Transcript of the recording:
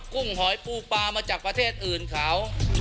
ุ้งหอยปูปลามาจากประเทศอื่นเขา